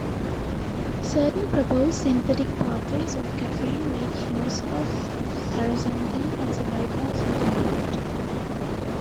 Certain proposed synthetic pathways of caffeine make use of paraxanthine as a bypass intermediate.